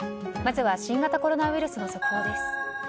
まずは新型コロナウイルスの速報です。